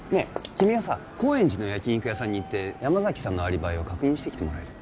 君はさ高円寺の焼き肉屋さんに行って山崎さんのアリバイを確認してきてもらえる？